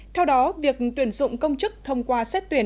theo đó việc tuyển dụng công chức thông qua xét tuyển